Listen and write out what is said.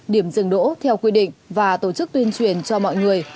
điểm dừng đỗ theo quy định và tổ chức tuyên truyền cho mọi người